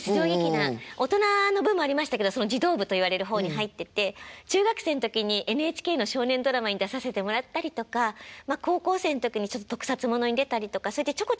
大人の部もありましたけど児童部といわれる方に入ってて中学生の時にＮＨＫの少年ドラマに出させてもらったりとかまあ高校生の時に特撮物に出たりとかちょこちょこお仕事はしてたんですよね。